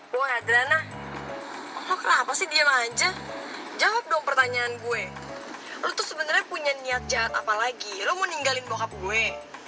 lo adrana lo kenapa sih diem aja jawab dong pertanyaan gue lu tuh sebenarnya punya niat jahat apa lagi lo mau ninggalin wakab gue